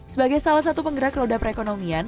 sebagai salah satu penggerak roda perekonomian